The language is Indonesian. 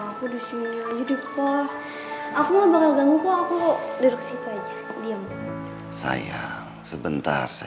aku disini aja